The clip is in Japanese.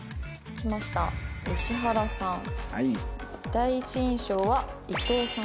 「第一印象は伊藤さん」。